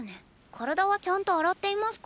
体はちゃんと洗っていますか？